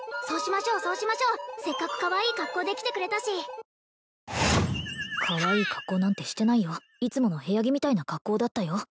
そうしましょうそうしましょうせっかくかわいい格好で来てくれたしかわいい格好なんてしてないよいつもの部屋着みたいな格好だったよ